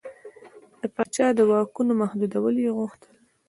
د پاچا د واکونو محدودول یې غوښتل.